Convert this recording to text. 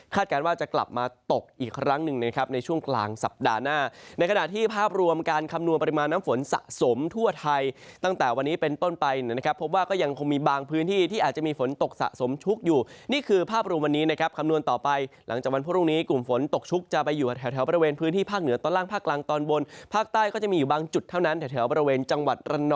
คาดการณ์ว่าจะกลับมาตกอีกครั้งหนึ่งนะครับในช่วงกลางสัปดาห์หน้าในขณะที่ภาพรวมการคำนวณปริมาณน้ำฝนสะสมทั่วไทยตั้งแต่วันนี้เป็นต้นไปนะครับพบว่าก็ยังคงมีบางพื้นที่ที่อาจจะมีฝนตกสะสมชุกอยู่นี่คือภาพรวมวันนี้นะครับคำนวณต่อไปหลังจากวันพรุ่งนี้กลุ่มฝนตกชุกจะไปอยู่แถว